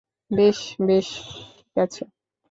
বেশ, বেশ, ঠিক আছে।